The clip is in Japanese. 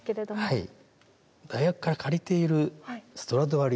はい。